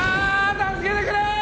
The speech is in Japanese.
助けてくれー！